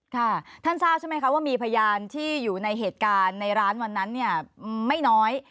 ค่ะท่านทราบใช่ไหมคะว่ามีพยานที่อยู่ในเหตุการณ์ในร้านวันนั้นเนี่ยไม่น้อย